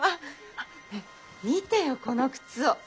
あ見てよこの靴を。